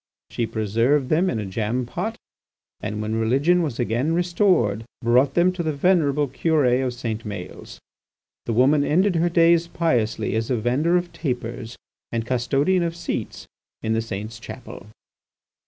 She preserved them in a jam pot, and when religion was again restored, brought them to the venerable Curé of St. Maëls. The woman ended her days piously as a vendor of tapers and custodian of seats in the saint's chapel."